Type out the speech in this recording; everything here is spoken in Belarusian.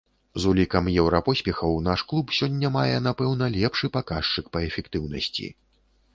З улікам еўрапоспехаў наш клуб сёння мае, напэўна, лепшы паказчык па эфектыўнасці.